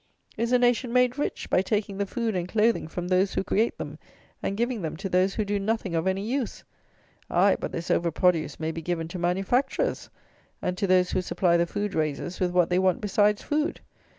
Is a nation made rich by taking the food and clothing from those who create them, and giving them to those who do nothing of any use? Aye, but this over produce may be given to manufacturers, and to those who supply the food raisers with what they want besides food.